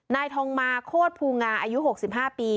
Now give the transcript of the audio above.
นายทองมาโคตรภูงาอายุ๖๕ปี